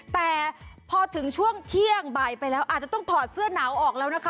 แต่พอถึงช่วงเที่ยงบ่ายไปแล้วอาจจะต้องถอดเสื้อหนาวออกแล้วนะคะ